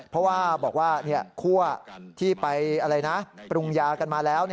เพราะว่าบอกว่าคั่วที่ไปปรุงยากันมาแล้ว